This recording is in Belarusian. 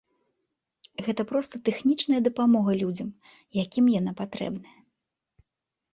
Гэта проста тэхнічная дапамога людзям, якім яна патрэбная.